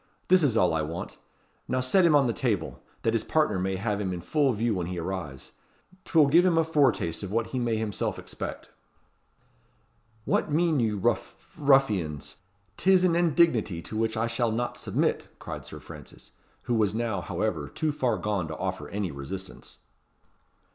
"This is all I want. Now set him on the table, that his partner may have him in full view when he arrives. 'Twill give him a foretaste of what he may himself expect." "What mean you, ruff ruffians? 'Tis an indignity to which I shall not submit," cried Sir Francis, who was now, however, too far gone to offer any resistance.